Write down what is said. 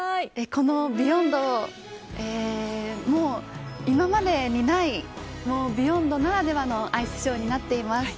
この「ＢＥＹＯＮＤ」もう今までにない「ＢＥＹＯＮＤ」ならではのアイスショーになっています。